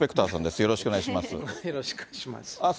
よろしくお願いします。